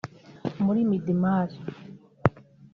muri Midmar